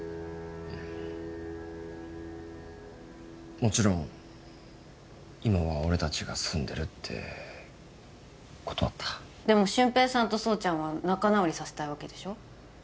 うんもちろん今は俺達が住んでるって断ったでも俊平さんと蒼ちゃんは仲直りさせたいわけでしょ？